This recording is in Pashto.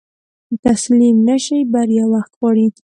تسليم نشې، بريا وخت غواړي.